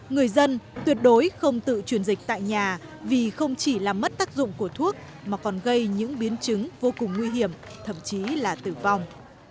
người dân tuyệt đối không tự truyền dịch tại nhà vì không chỉ làm mất tác dụng của thuốc mà còn gây những biến chứng vô cùng nguy hiểm thậm chí là tử vong